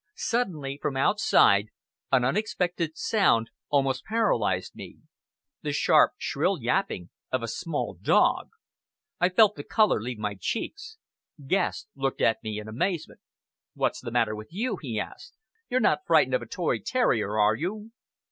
Suddenly, from outside, an unexpected sound almost paralyzed me the sharp, shrill yapping of a small dog! I felt the color leave my cheeks. Guest looked at me in amazement. "What's the matter with you?" he asked. "You're not frightened of a toy terrier, are you?"